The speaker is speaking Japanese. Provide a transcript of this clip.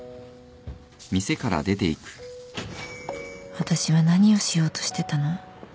私は何をしようとしてたの？